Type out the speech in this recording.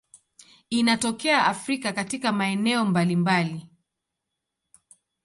Inatokea Afrika katika maeneo mbalimbali.